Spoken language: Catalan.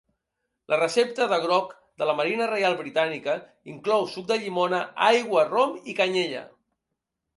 La recepta de grog de la Marina Real britànica inclou suc de llimona, aigua, rom i canyella.